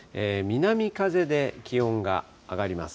南風で気温が上がります。